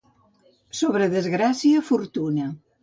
Sobre desgràcia, fortuna.